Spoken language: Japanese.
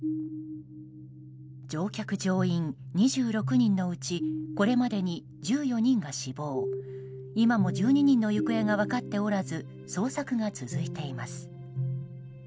乗客・乗員２６人のうちこれまでに１４人が死亡今も１２人の行方が分かっておらず捜索が続いています。